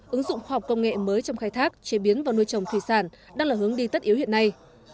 ứng dụng khoa học công nghệ mới trong khai thác chế biến và nuôi trồng thủy sản đang là hướng đi tất yếu hiện nay